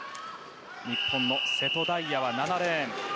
日本の瀬戸大也は７レーン。